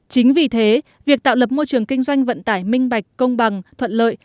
chính vì thế việc tạo lập môi trường kinh doanh vận tải minh bạch công bằng thuận lợi